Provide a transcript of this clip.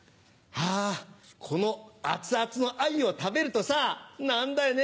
はぁこの熱々の鮎を食べるとさなんだよね